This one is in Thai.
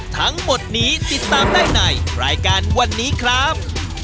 ทั้งหมดนี้ติดตามได้ในรายการวันนี้ครับ